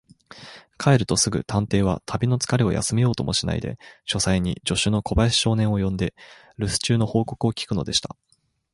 帰るとすぐ、探偵は旅のつかれを休めようともしないで、書斎に助手の小林少年を呼んで、るす中の報告を聞くのでした。